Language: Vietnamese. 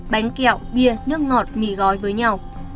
bánh kẹo bia nước ngọt mì gói với nhau